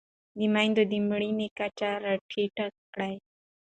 د مېندو د مړینې کچه راټیټه کړئ.